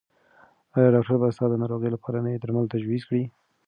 ایا ډاکټر به ستا د ناروغۍ لپاره نوي درمل تجویز کړي؟